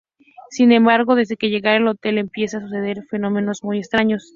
Sin embargo, desde que llegan al hotel empiezan a suceder fenómenos muy extraños.